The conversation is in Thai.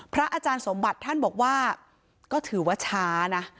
อาจารย์สมบัติท่านบอกว่าก็ถือว่าช้านะ